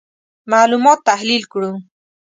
معلومات تحلیل کړو.